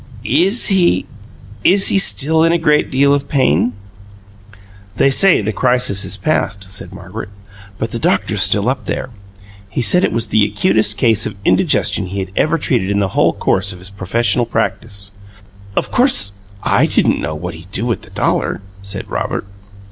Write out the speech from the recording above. "Is he is he still in a great deal of pain?" "They say the crisis is past," said Margaret, "but the doctor's still up there. He said it was the acutest case of indigestion he had ever treated in the whole course of his professional practice." "Of course I didn't know what he'd do with the dollar," said Robert.